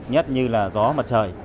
nhất như là gió mặt trời